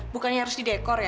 bukannya harus didekor ya